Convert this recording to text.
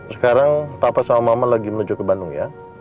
sekarang tapa sama mama lagi menuju ke bandung ya